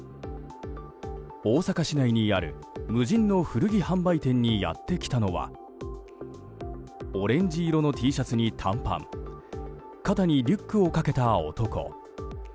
大阪市内にある、無人の古着販売店にやってきたのはオレンジ色のＴシャツに短パン肩にリュックをかけた男。